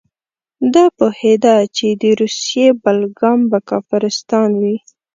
ده پوهېده چې د روسیې بل ګام به کافرستان وي.